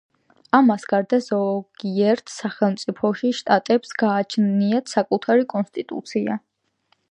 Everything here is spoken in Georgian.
ამას გარდა, ზოგიერთ სახელმწიფოში შტატებს გააჩნიათ საკუთარი კონსტიტუცია.